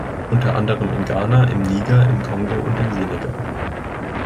Unter anderem in Ghana, im Niger, im Kongo und im Senegal.